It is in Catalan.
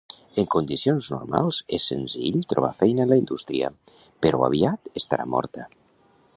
En condicions normals és senzill trobar feina en la indústria, però aviat estarà morta.